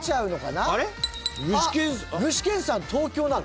具志堅さん東京なの？